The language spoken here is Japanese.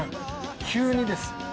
急にです。